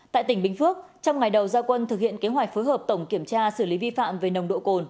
tại tỉnh bình phước trong ngày đầu gia quân thực hiện kế hoạch phối hợp tổng kiểm tra xử lý vi phạm về nồng độ cồn